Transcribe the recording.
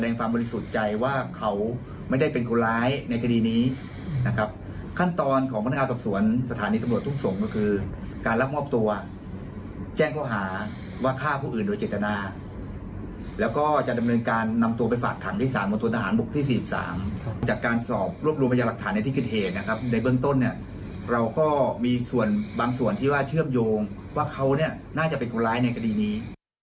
ในเกิดเหตุนะครับในเบื้องต้นเนี่ยเราก็มีบางส่วนเชื่อมโยงว่าเขาน่าจะเป็นคนร้ายในคดีนี้